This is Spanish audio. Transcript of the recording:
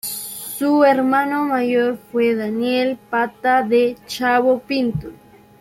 Su hermano mayor fue Daniel "Pata de Chivo" Pinto.